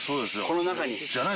この中に？